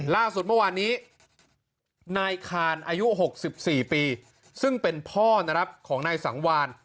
ล่าสุดเมื่อวานนี้นายคานอายุ๖๔ปีซึ่งเป็นพ่อนะครับของนายสังวาน